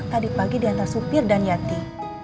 tadi pagi diantar supir dan yati